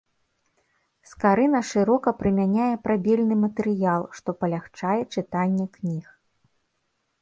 Скарына шырока прымяняе прабельны матэрыял, што палягчае чытанне кніг.